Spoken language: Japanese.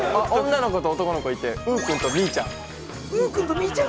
女の子と男の子がいて、うーくんとみーちゃん。